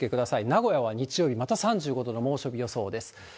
名古屋は日曜日、また３５度の猛暑日予想です。